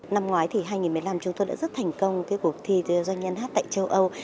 năm ngoái thì hai nghìn một mươi năm chúng tôi đã rất thành công cuộc thi doanh nhân hát tại châu âu